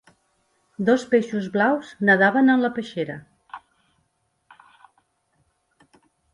Dos peixos blaus nedaven en la peixera.